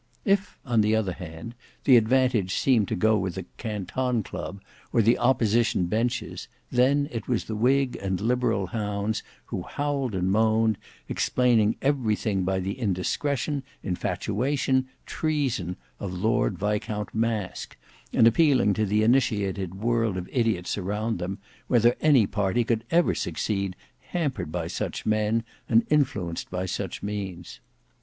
If, on the other hand, the advantage seemed to go with the Canton Club, or the opposition benches, then it was the whig and liberal hounds who howled and moaned, explaining everything by the indiscretion, infatuation, treason, of Lord Viscount Masque, and appealing to the initiated world of idiots around them, whether any party could ever succeed, hampered by such men, and influenced by such means.